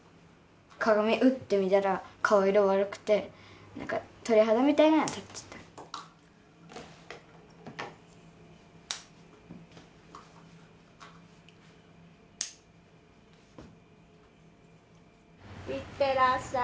鏡ウッて見たら顔色悪くてなんか鳥肌みたいなのが立ってたいってらっしゃい。